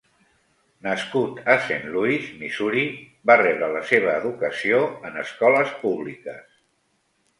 Nascut a Saint Louis, Missouri, va rebre la seva educació en escoles públiques.